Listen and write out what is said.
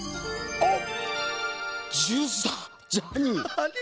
あっ。